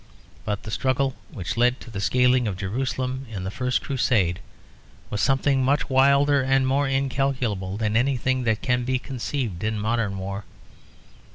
But the struggle which led to the scaling of Jerusalem in the First Crusade was something much wilder and more incalculable than anything that can be conceived in modern war.